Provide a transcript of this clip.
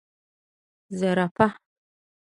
🦒 زرافه